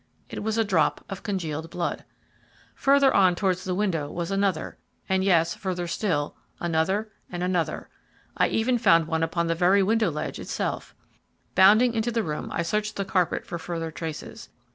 It was a drop of congealed blood. Further on towards the window was another, and yes, further still, another and another. I even found one upon the very window ledge itself. Bounding into the room, I searched the carpet for further traces.